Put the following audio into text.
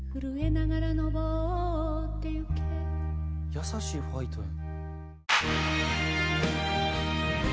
「優しい“ファイト！”や」